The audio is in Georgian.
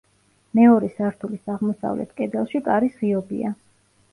მეორე სართულის აღმოსავლეთ კედელში კარის ღიობია.